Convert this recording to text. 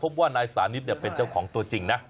พบว่านายสานิทเป็นเจ้าของตัวจริงนะ